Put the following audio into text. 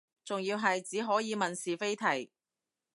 仲要係只可以問是非題